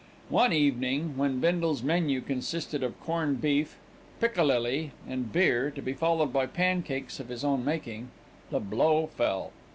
One evening, when Bindle's menu consisted of corned beef, piccalilli and beer, to be followed by pancakes of his own making, the blow fell.